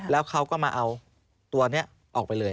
แล้วเขาก็มาเอาตัวนี้ออกไปเลย